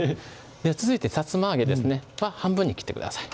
続いてさつま揚げですねは半分に切ってください